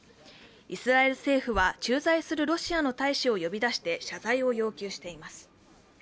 イスラエル政府は駐在するロシアの大使を呼び出して謝罪を要求しています。